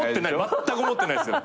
まったく思ってないですよ。